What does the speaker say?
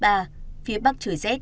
phía bắc trời rét